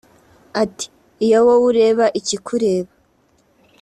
Ati ‘‘Iyo wowe ureba ikikureba